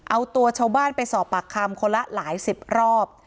เอาตัวชาวบ้านไปสอบปากคำคนละหลายสิบรอบ